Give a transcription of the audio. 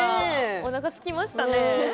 おなかすきましたね。